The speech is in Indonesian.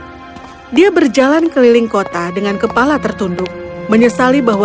mereka berjalan vingan maupun berjalan tapi tetap menyesal bahwa